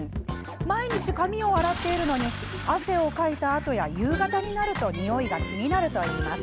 毎日、髪を洗っているのに汗をかいたあとや夕方になるとにおいが気になるといいます。